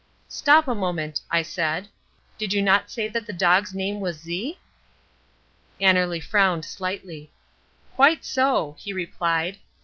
"Stop a moment," I said. "Did you not say that the dog's name was Z?" Annerly frowned slightly. "Quite so," he replied.